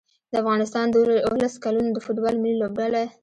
د افغانستان د اولس کلونو د فوټبال ملي لوبډله